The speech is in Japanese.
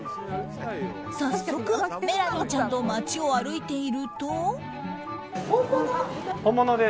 早速、メラニーちゃんと街を歩いていると。